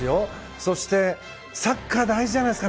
そしてサッカー大事じゃないですか？